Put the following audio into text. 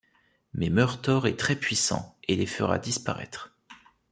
Mais Meurtor est très puissant, et les fera disparaître.